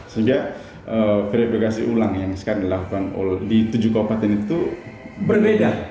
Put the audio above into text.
sehingga verifikasi ulang yang sekarang dilakukan di tujuh kabupaten itu berbeda